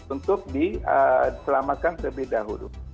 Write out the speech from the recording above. untuk diselamatkan terlebih dahulu